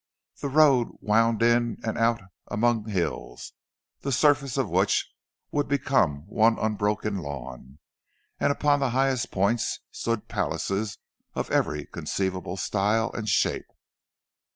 The road wound in and out among hills, the surfaces of which would be one unbroken lawn; and upon the highest points stood palaces of every conceivable style and shape.